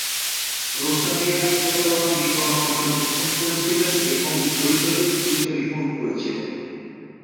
Rosa BR প্রচারণা বিতরণ পর্যবেক্ষণ করেছিলেন এবং জড়িতদের পুলিশে রিপোর্ট করেছিলেন।